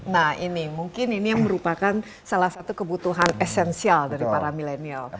nah ini mungkin ini yang merupakan salah satu kebutuhan esensial dari para milenial